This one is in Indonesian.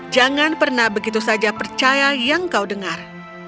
jangan pernah begitu saja percaya yang kau dengar